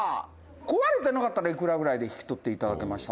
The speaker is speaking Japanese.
壊れてなかったらいくらぐらいで引き取っていただけました？」